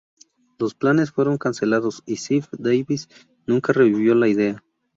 Los planes fueron cancelados, y Ziff-Davis nunca revivió la idea.